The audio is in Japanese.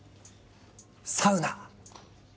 サウナ！